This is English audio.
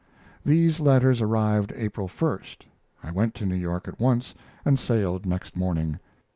These letters arrived April 1st. I went to New York at once and sailed next morning.